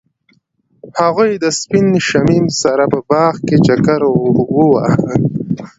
هغوی د سپین شمیم سره په باغ کې چکر وواهه.